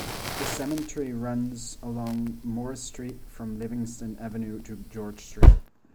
The cemetery runs along Morris Street, from Livingston Avenue to George Street.